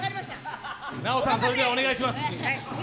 ナヲさん、それではお願いします。